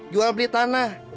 jual beli tanah